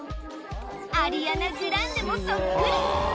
アリアナ・グランデもそっくり！